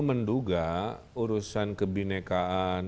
menduga urusan kebinekaan